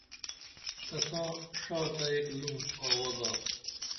تساں ڜا تہ ایک لُوم آووہ گا